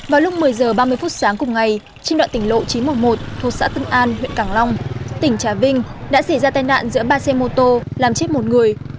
vào lúc một mươi h ba mươi phút sáng cùng ngày trên đoạn tỉnh lộ chín trăm một mươi một thuộc xã tân an huyện càng long tỉnh trà vinh đã xảy ra tai nạn giữa ba xe mô tô làm chết một người